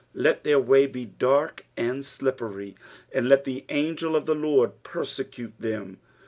6 Let their way be dark and slippery ; and let the angel of the Lord persecute them.